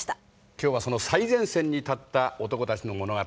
今日はその最前線に立った男たちの物語。